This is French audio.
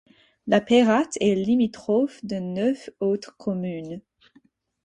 La Peyratte est limitrophe de neuf autres communes.